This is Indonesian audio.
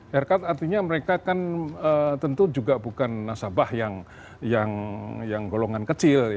haircut artinya mereka kan tentu juga bukan nasabah yang golongan kecil